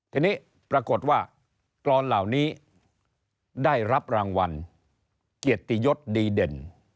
ทีนี้ปรากฏว่ากรอนเหล่านี้ได้รับรางวัลเกียรติยศดีเด่น